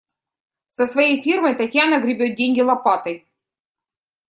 Со своей фирмой Татьяна гребёт деньги лопатой.